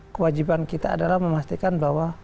kewajiban kita adalah memastikan bahwa